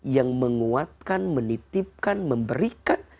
yang menguatkan menitipkan memberikan